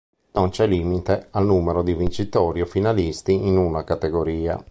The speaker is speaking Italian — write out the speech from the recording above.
Non c'è limite al numero di vincitori o finalisti in una categoria.